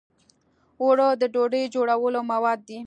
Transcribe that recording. اوړه د ډوډۍ جوړولو مواد دي